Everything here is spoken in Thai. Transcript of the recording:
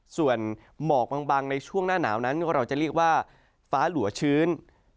ส่วนหมอกบางในช่วงหน้าหนาวนั้นเราจะเรียกว่าฟ้าหลัวชื้น